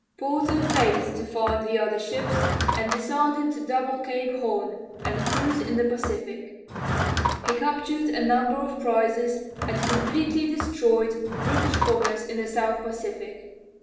Porter failed to find the other ships and decided to double Cape Horn and cruise in the Pacific. He captured a number of prizes, and completely destroyed British commerce in the south Pacific.